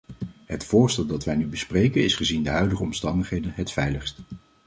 Het voorstel dat wij nu bespreken is gezien de huidige omstandigheden het veiligst.